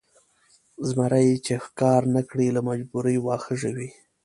زمری چې ښکار نه کړي له مجبورۍ واښه ژوي.